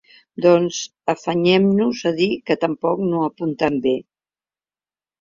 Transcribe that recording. Doncs, afanyem-nos a dir que tampoc no apunten bé.